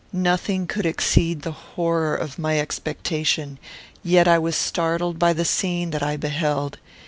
Nothing could exceed the horror of my expectation; yet I was startled by the scene that I beheld.